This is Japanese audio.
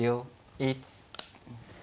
１。